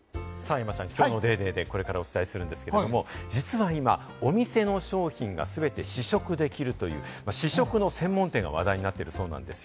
山ちゃん、きょうの『ＤａｙＤａｙ．』でこれからお伝えするんですけれども、実は今、お店の商品が全て試食できるという試食の専門店が話題になっているそうなんですよ。